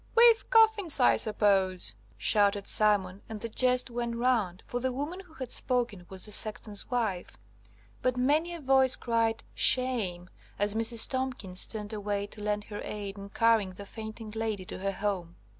"With coffins, I suppose," shouted someone, and the jest went round, for the woman who had spoken was the sexton's wife. But many a voice cried "shame," as Mrs. Tomkins turned away to lend her aid in carrying the fainting lady to her home.